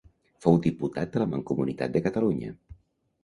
Fou diputat de la Mancomunitat de Catalunya.